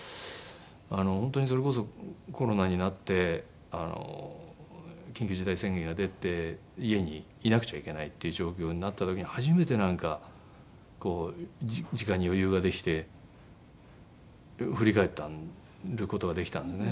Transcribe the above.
本当にそれこそコロナになって緊急事態宣言が出て家にいなくちゃいけないっていう状況になった時に初めてなんかこう時間に余裕ができて振り返る事ができたんですね。